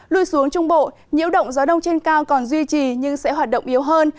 lui xuống trung bộ nhiễu động gió đông trên cao còn duy trì nhưng sẽ hoạt động yếu hơn